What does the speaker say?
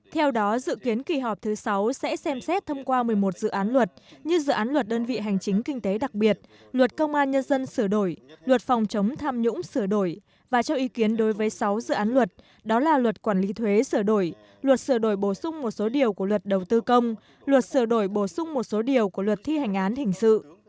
theo đó dự kiến kỳ họp thứ sáu sẽ xem xét thông qua một mươi một dự án luật như dự án luật đơn vị hành chính kinh tế đặc biệt luật công an nhân dân sửa đổi luật phòng chống tham nhũng sửa đổi và cho ý kiến đối với sáu dự án luật đó là luật quản lý thuế sửa đổi luật sửa đổi bổ sung một số điều của luật đầu tư công luật sửa đổi bổ sung một số điều của luật thi hành án hình sự